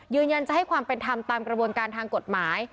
ยืนยันจะให้ความเป็นธรรมตามกระบวนการทางกฎหมาย